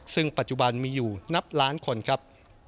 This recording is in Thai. ซึ่งปัจจุบันมีอยู่นับล้านคนครับ